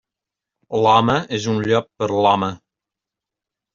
L'home és un llop per a l'home.